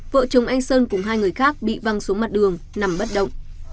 vợ chồng anh sơn cùng hai người khác bị văng xuống mặt đường nằm bất động